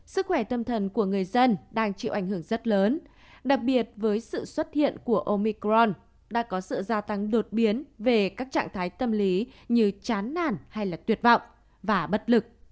sức khỏe tâm thần của người dân đang chịu ảnh hưởng rất lớn đặc biệt với sự xuất hiện của omicron đã có sự gia tăng đột biến về các trạng thái tâm lý như chán nản hay là tuyệt vọng và bất lực